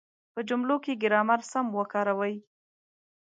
په جملو کې ګرامر سم وکاروئ.